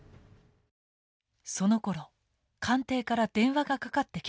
そのころ官邸から電話がかかってきました。